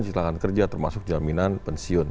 silangan kerja termasuk jaminan pensiun